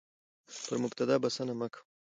پر مبتدا بسنه مه کوه،